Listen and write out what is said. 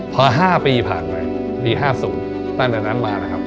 พอ๕ปีผ่านไปปี๕ศูนย์นั้นมานะครับ